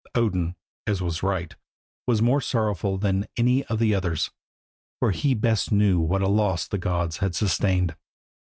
Odin, as was right, was more sorrowful than any of the others, for he best knew what a loss the gods had sustained.